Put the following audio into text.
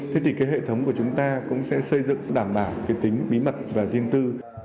thế thì cái hệ thống của chúng ta cũng sẽ xây dựng đảm bảo cái tính bí mật và riêng tư